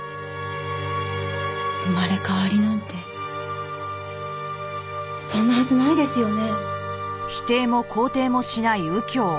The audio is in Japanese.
生まれ変わりなんてそんなはずないですよね？